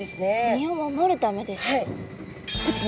身を守るためですか？